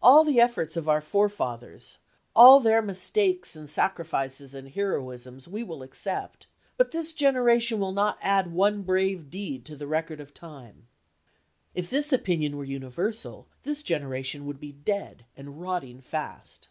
All the efforts of our forefathers, all their mistakes and sacrifices and heroisms we will accept, but this generation will not add one brave deed to the record of time." If this opinion were universal, this generation would be dead, and rotting fast.